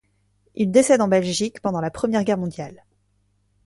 Il décède en Belgique pendant la première Guerre mondiale.